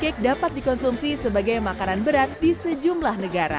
cake dapat dikonsumsi sebagai makanan berat di sejumlah negara